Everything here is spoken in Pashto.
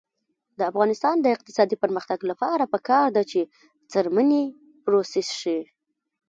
د افغانستان د اقتصادي پرمختګ لپاره پکار ده چې څرمنې پروسس شي.